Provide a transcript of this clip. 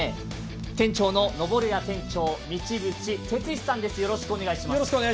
店長の登るや店長、道淵哲志さんです。